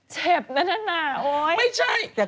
เจ็บนั้นโอ๊ยไม่ใช่